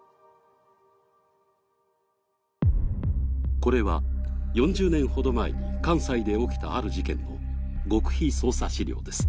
これは４０年ほど前に関西で起きたある事件の極秘捜査資料です。